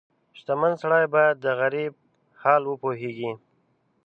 • شتمن سړی باید د غریب حال وپوهيږي.